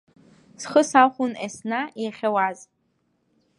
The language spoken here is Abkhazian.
Схы сахәон есна, иахьауаз.